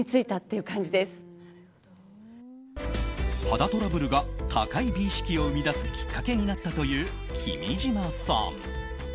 肌トラブルが高い美意識を生み出すきっかけになったという君島さん。